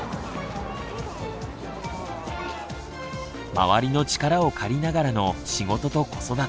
周りの力を借りながらの仕事と子育て。